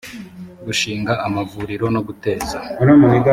gushinga amavuriro no guteza